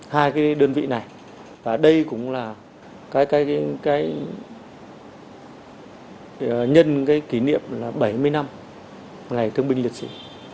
hai đơn vị này và đây cũng là nhân kỷ niệm bảy mươi năm ngày thương bình liệt sĩ